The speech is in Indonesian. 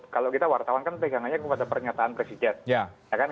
kalau kita wartawan kan pegangannya kepada pernyataan presiden